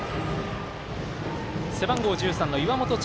背番号１３、岩本千